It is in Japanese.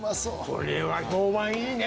これは評判いいね！